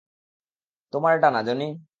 তোমার ডানা, জনি।